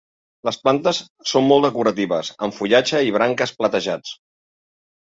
Les plantes són molt decoratives amb fullatge i branques platejats.